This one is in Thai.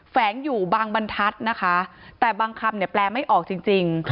แฝงอยู่บางบรรทัศน์นะคะแต่บางคำเนี่ยแปลไม่ออกจริง